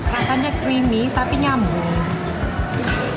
rasanya creamy tapi nyamuk